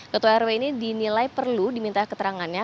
ketua rw ini dinilai perlu diminta keterangannya